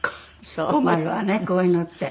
困るわねこういうのって。